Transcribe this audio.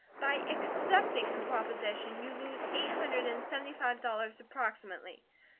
By accepting her proposition you lose eight hundred and seventy five dollars, approximately.